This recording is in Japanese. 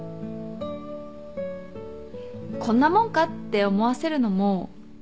「こんなもんか」って思わせるのも大事だよ。